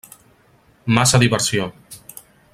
Massa diversió!!